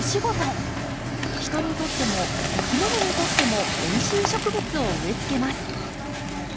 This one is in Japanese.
人にとってもいきものにとってもおいしい植物を植え付けます。